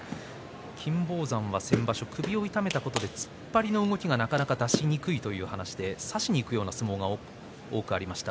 金峰山は先場所首を痛めたことで突っ張りの動きががなかなか出しにくいという話で差しにいく相撲が多くありました。